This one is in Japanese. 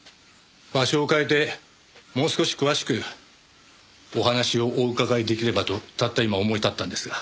場所を変えてもう少し詳しくお話をお伺い出来ればとたった今思い立ったんですが。